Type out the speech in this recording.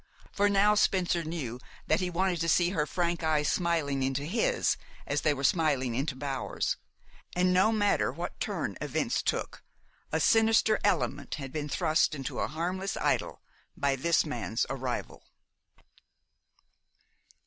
For now Spencer knew that he wanted to see her frank eyes smiling into his as they were smiling into Bower's, and, no matter what turn events took, a sinister element had been thrust into a harmless idyl by this man's arrival.